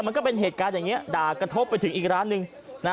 มันก็เป็นเหตุการณ์อย่างนี้ด่ากระทบไปถึงอีกร้านหนึ่ง